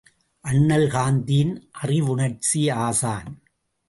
அண்ணல் காந்தியின் அறவுணர்ச்சி ஆசான்!